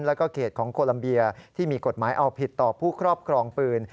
แล้วก็เขตของโคลัมเบียที่มีกฎหมายเอาผิดต่อผู้ครอบครองปืน